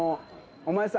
お前さ。